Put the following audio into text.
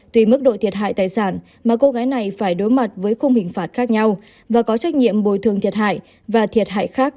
tùy mức độ thiệt hại tài sản mà cô gái này phải đối mặt với khung hình phạt khác nhau và có trách nhiệm bồi thường thiệt hại và thiệt hại khác